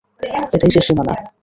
এটাই শেষ সীমানা।